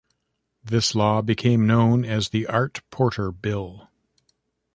This law became known as "The Art Porter Bill".